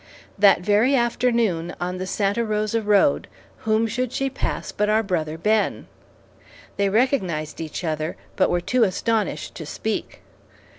That very afternoon, on the Santa Rosa road, whom should she pass but our brother Ben. They recognized each other, but were too astonished to speak.